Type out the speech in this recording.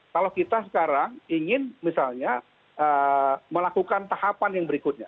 kalau kita sekarang ingin misalnya melakukan tahapan yang berikutnya